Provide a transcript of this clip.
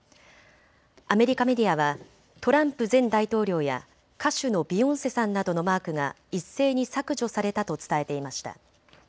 アメリカメディアはトランプ前大統領や歌手のビヨンセさんなどのマークが一斉に削除されたと伝えていました。